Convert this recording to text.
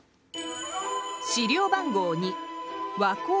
資料番号２。